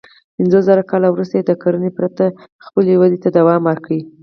پنځوسزره کاله وروسته یې د کرنې پرته خپلې ودې ته دوام ورکړ.